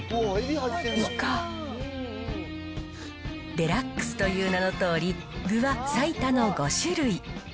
デラックスという名のとおり、具は最多の５種類。